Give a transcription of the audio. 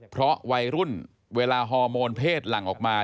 เพราะวัยรุ่นเวลาฮอร์โมนเพศหลั่งออกมา